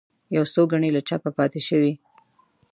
یو څو ګڼې له چاپه پاتې شوې.